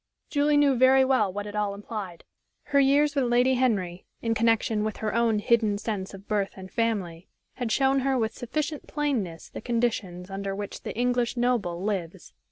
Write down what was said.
Julie knew very well what it all implied. Her years with Lady Henry, in connection with her own hidden sense of birth and family, had shown her with sufficient plainness the conditions under which the English noble lives.